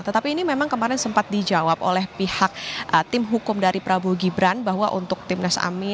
tetapi ini memang kemarin sempat dijawab oleh pihak tim hukum dari prabowo gibran bahwa untuk timnas amin